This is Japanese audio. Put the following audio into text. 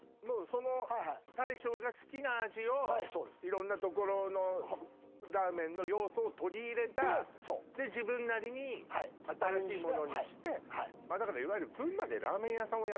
もうその大将が好きな味を色んなところのラーメンの要素を取り入れたで自分なりに新しいものにしてまあだからいわゆるあっそうことですよ